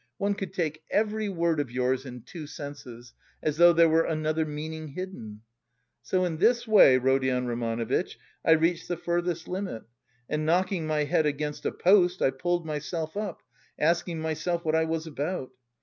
One could take every word of yours in two senses, as though there were another meaning hidden. "So in this way, Rodion Romanovitch, I reached the furthest limit, and knocking my head against a post, I pulled myself up, asking myself what I was about.